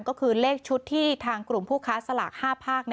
ก็คือเลขชุดที่ทางกลุ่มผู้ค้าสลาก๕ภาค